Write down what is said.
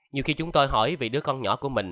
nhiều khi chúng tôi hỏi vì đứa con nhỏ của mình